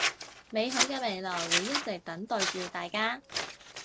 美好嘅未來會一直等待住大家